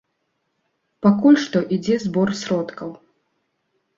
Пакуль што ідзе збор сродкаў.